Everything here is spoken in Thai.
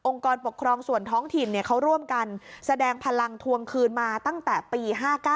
กรปกครองส่วนท้องถิ่นเขาร่วมกันแสดงพลังทวงคืนมาตั้งแต่ปี๕๙